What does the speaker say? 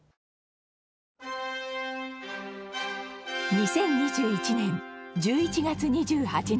２０２１年１１月２８日。